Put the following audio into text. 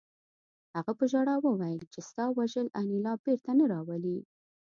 هغه په ژړا وویل چې ستا وژل انیلا بېرته نه راولي